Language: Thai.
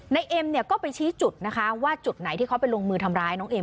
เอ็มเนี่ยก็ไปชี้จุดนะคะว่าจุดไหนที่เขาไปลงมือทำร้ายน้องเอ็